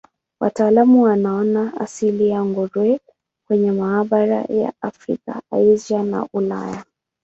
Wataalamu wanaona asili ya nguruwe kwenye mabara ya Afrika, Asia na Ulaya.